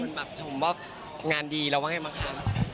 คนมาชมว่างานดีแล้วว่าไงมะคะ